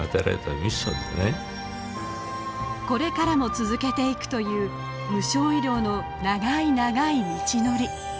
これからも続けていくという無償医療の長い長い道のり。